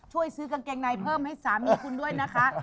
ช่วยซื้อกางเกงในเพิ่มให้สามีคุณด้วยนะคะ